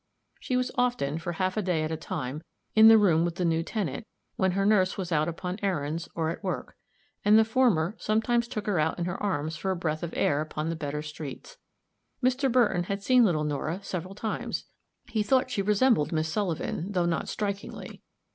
She was often, for half a day at a time, in the room with the new tenant, when her nurse was out upon errands, or at work; and the former sometimes took her out in her arms for a breath of air upon the better streets. Mr. Burton had seen little Nora several times; he thought she resembled Miss Sullivan, though not strikingly.